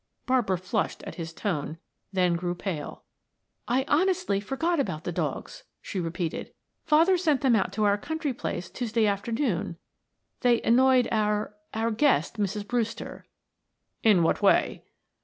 Barbara flushed at his tone, then grew pale. "I honestly forgot about the dogs," she repeated. "Father sent them out to our country place Tuesday afternoon; they annoyed our our guest, Mrs. Brewster." "In what way?"